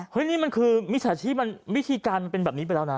เฮ้ยนี่มันคือมิถีการมันเป็นแบบนี้ไปแล้วนะ